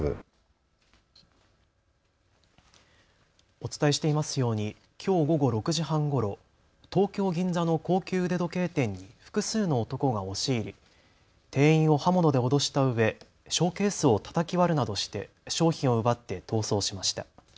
お伝えしていますようにきょう午後６時半ごろ、東京銀座の高級腕時計店に複数の男が押し入り店員を刃物で脅したうえショーケースをたたき割るなどして商品を奪って逃走しました。